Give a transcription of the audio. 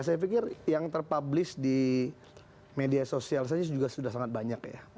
saya pikir yang terpublish di media sosial saja juga sudah sangat banyak ya